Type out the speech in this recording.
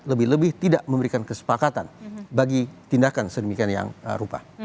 lebih lebih tidak memberikan kesepakatan bagi tindakan sedemikian yang rupa